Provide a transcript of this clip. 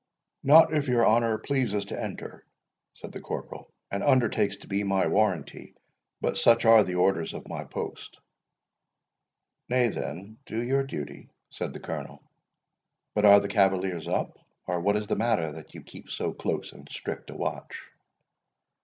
"Not if your honour pleases to enter," said the corporal, "and undertakes to be my warranty; but such are the orders of my post." "Nay, then, do your duty," said the Colonel; "but are the cavaliers up, or what is the matter, that you keep so close and strict a watch?"